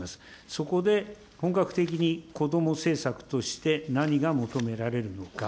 そこで本格的にこども政策として、何が求められるのか。